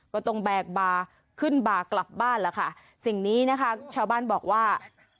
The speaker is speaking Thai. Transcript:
ก็ต้องแบกบาขึ้นบ่ากลับบ้านแล้วค่ะสิ่งนี้นะคะชาวบ้านบอกว่า